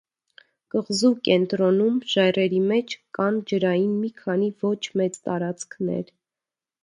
Կղզու կենտրոնում՝ ժայռերի մեջ, կան ջրային մի քանի ոչ մեծ տարածքներ։